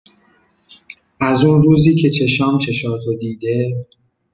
از اون روزی که چشام چشاتو دیده